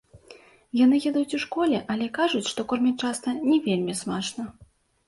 Яны ядуць у школе, але кажуць, што кормяць часта не вельмі смачна.